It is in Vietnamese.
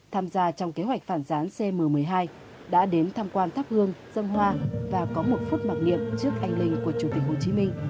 tham gia trong kế hoạch phản gián cm một mươi hai đã đến tham quan thắp hương dân hoa và có một phút mặc niệm trước anh linh của chủ tịch hồ chí minh